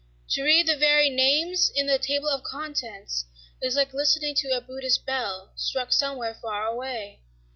To read the very names in the table of contents is like listening to a Buddhist bell, struck somewhere far away.